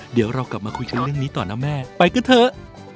เดี๋ยวเรากลับมาคุยกันเรื่องนี้ต่อนะแม่ไปกันเถอะ